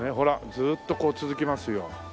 ずーっとこう続きますよ。